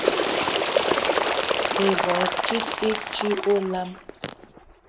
Ibwal i tit i ti olam.